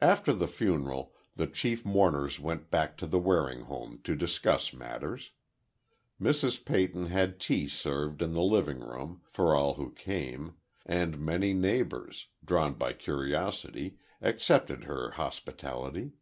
After the funeral, the chief mourners went back to the Waring home to discuss matters. Mrs. Peyton had tea served in the living room, for all who came, and many neighbors, drawn by curiosity, accepted her hospitality.